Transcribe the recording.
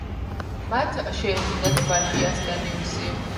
მათ შეეძინათ ვაჟი ასკანიუსი.